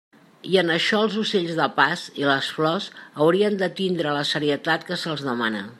I en això els ocells de pas, i les flors, haurien de tindre la serietat que se'ls demana.